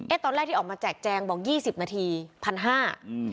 ตอนแรกที่ออกมาแจกแจงบอกยี่สิบนาทีพันห้าอืม